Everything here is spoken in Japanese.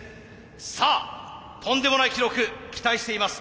さあとんでもない記録期待しています。